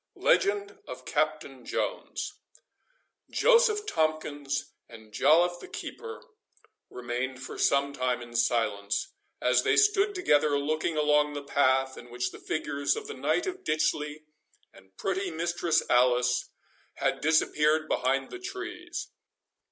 LEGEND OF CAPTAIN JONES. Joseph Tomkins and Joliffe the keeper remained for some time in silence, as they stood together looking along the path in which the figures of the Knight of Ditchley and pretty Mistress Alice had disappeared behind the trees.